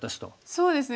そうですね